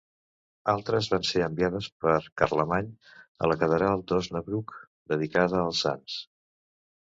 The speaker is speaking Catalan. Altres van ser enviades per Carlemany a la catedral d'Osnabrück, dedicada als sants.